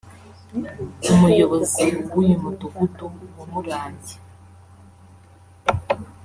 umuyobozi w’uyu mudugudu wa Murangi